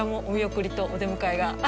お見送りとお出迎えが。